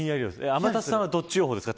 天達さんはどっち予想ですか。